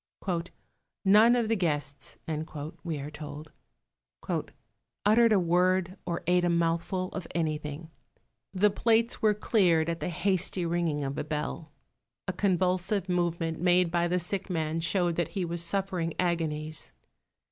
"None of the guests," we are told, "uttered a word or ate a mouthful of anything; the plates were cleared at the hasty ringing of a bell. A convulsive movement made by the sick man showed that he was suffering agonies.